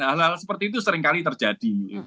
hal hal seperti itu seringkali terjadi